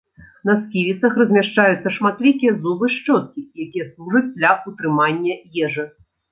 На сківіцах размяшчаюцца шматлікія зубы-шчоткі, якія служаць для ўтрымання ежы.